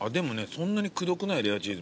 そんなにくどくないレアチーズも。